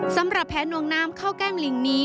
สำหรับแผนนวงน้ำข้าวแกล้งลิงนี้